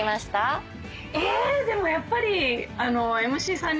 でもやっぱり。